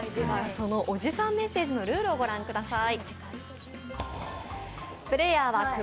その「オジサンメッセージ」のルールをご覧ください。